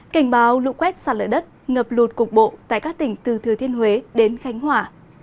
cảnh báo lũ quét sạt lở đất ngập lụt cục bộ tại các tỉnh từ thừa thiên huế đến khánh hòa